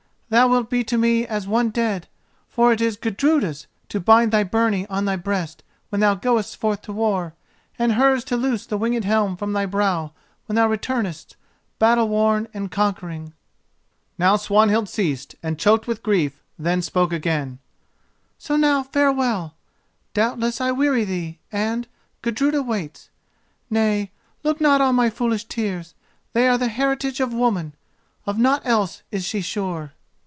Thou wilt be to me as one dead, for it is Gudruda's to bind the byrnie on thy breast when thou goest forth to war, and hers to loose the winged helm from thy brow when thou returnest, battle worn and conquering." Now Swanhild ceased, and choked with grief; then spoke again: "So now farewell; doubtless I weary thee, and—Gudruda waits. Nay, look not on my foolish tears: they are the heritage of woman, of naught else is she sure!